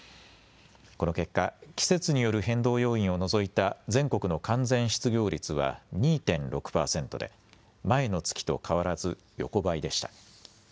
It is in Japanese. この結果、季節による変動要因を除いた全国の完全失業率は２．６％で、前の月と変わらず横ばいでした。